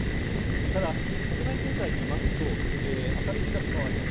ただ、国内経済見ますと、明るい兆しもあります。